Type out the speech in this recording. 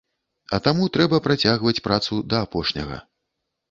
А таму трэба працягваць працу да апошняга.